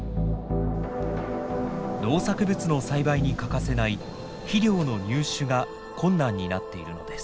農作物の栽培に欠かせない肥料の入手が困難になっているのです。